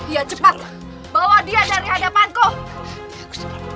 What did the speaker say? ya cepat bawa dia dari hadapanku